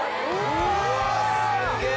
うわすげえ。